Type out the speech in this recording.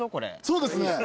そうですね。